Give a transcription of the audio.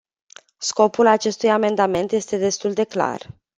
Scopul acestui amendament este destul de clar.